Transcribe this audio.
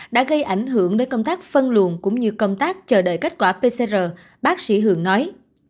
đã gây ảnh hưởng đến công tác phân luồn cũng như công tác chờ đợi kết quả pcr bác sĩ hường nói